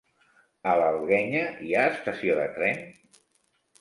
A l'Alguenya hi ha estació de tren?